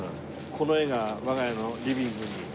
この絵が我が家のリビングに。